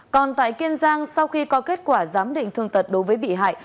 còn tại kiên giang sau khi có kết quả giám định thương tật đối với bị hại